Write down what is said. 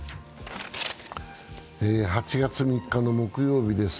８月３日の木曜日です。